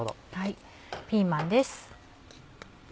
ピーマンです。